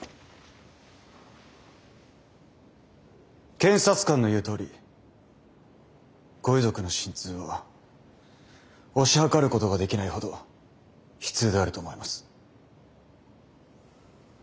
検察官の言うとおりご遺族の心痛は推し量ることができないほど悲痛であると思います。